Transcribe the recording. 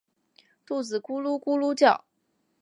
肚子咕噜咕噜叫